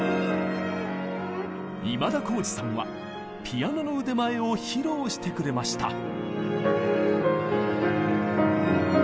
今田耕司さんはピアノの腕前を披露してくれました。